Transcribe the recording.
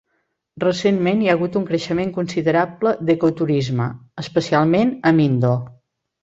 Recentment hi ha hagut un creixement considerable d'eco-turisme, especialment a Mindo.